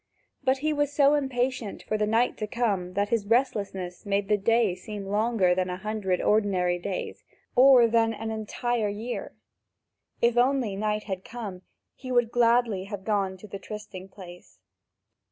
But he was so impatient for the night to come that his restlessness made the day seem longer than a hundred ordinary days or than an entire year. If night had only come, he would gladly have gone to the trysting place.